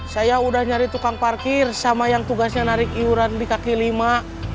saya udah nyari tukang parkir sama yang tugasnya narik iuran di kaki lima